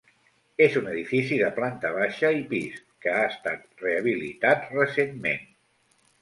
És un edifici de planta baixa i pis, que ha estat rehabilitat recentment.